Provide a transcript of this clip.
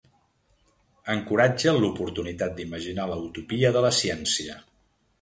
Encoratge l'oportunitat d’imaginar la utopia de la ciència.